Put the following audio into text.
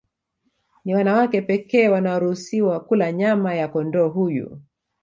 Ni wanawake pekee wanaoruhusiwa kula nyama ya kondoo huyu